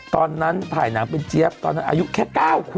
ตอนนั้นถ่ายหนังเป็นเจี๊ยบตอนนั้นอายุแค่๙ขวบ